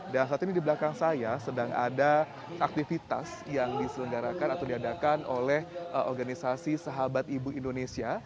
dan saat ini di belakang saya sedang ada aktivitas yang diselenggarakan atau diadakan oleh organisasi sahabat ibu indonesia